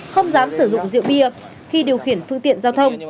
không dám sử dụng rượu bia khi điều khiển phương tiện giao thông